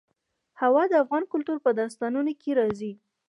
هوا د افغان کلتور په داستانونو کې راځي.